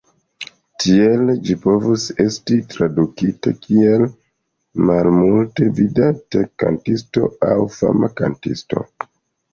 Tiele ĝi povus esti tradukita kiel "malmulte vidata kantisto" aŭ "fama kantisto".